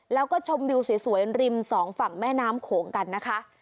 แล้วก็ชมวิวสวยริมสองฝั่งแม่น้ำโขงกันนะคะ